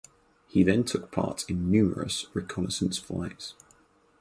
He then took part in numerous reconnaissance flights.